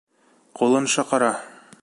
Ҡулын шаҡара!